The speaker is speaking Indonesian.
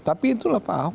tapi itulah pak ahok